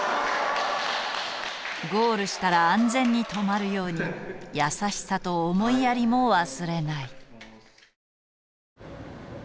ゴールしたら安全に止まるように優しさと思いやりも忘れない。